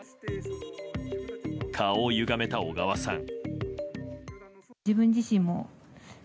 顔をゆがめた小川さん。